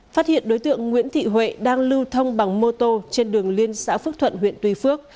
phát hiện đối tượng nguyễn thị huệ đang lưu thông bằng mô tô trên đường liên xã phước thuận huyện tuy phước